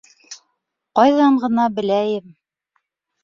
Ҡайҙан ғына беләйем?